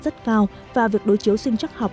rất cao và việc đối chiếu sinh chắc học